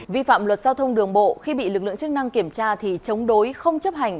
vi phạm luật giao thông đường bộ khi bị lực lượng chức năng kiểm tra thì chống đối không chấp hành